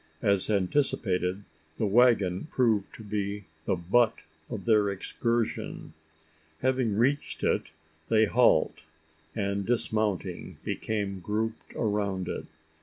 As anticipated, the waggon proved to be the butt of their excursion. Having reached it, they halt; and, dismounting, become grouped around it.